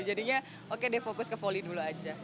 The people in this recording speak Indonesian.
jadinya oke deh fokus ke volley dulu aja